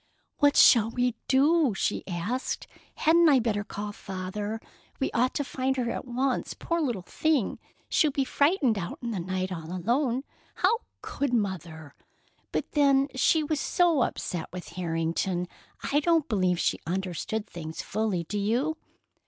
"What shall we do?" she asked. "Hadn't I better call Father? We ought to find her at once, poor little thing! She'll be frightened out in the night all alone. How could Mother! But then she was so upset with Harrington, I don't believe she understood things fully, do you?"